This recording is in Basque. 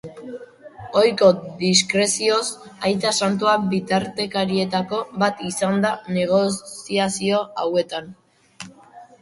Ohiko diskrezioz, aita santua bitartekarietako bat izan da negoziazio hauetan.